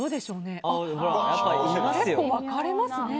結構分かれますね。